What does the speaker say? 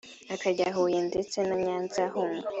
akajya Huye ndetse na Nyanza ahunga